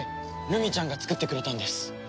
ルミちゃんが作ってくれたんです。